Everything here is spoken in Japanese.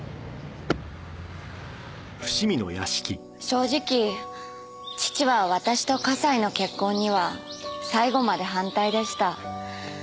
正直父は私と笠井の結婚には最後まで反対でした。